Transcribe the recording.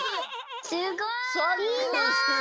すごい！